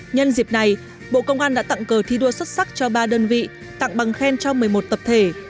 nhân dịp này bộ công an đã tặng cờ thi đua xuất sắc cho ba đơn vị tặng bằng khen cho một mươi một tập thể